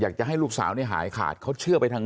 อยากจะให้ลูกสาวเนี่ยหายขาดเขาเชื่อไปทาง